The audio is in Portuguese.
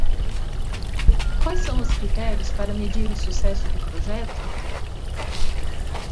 Quais são os critérios para medir o sucesso do projeto?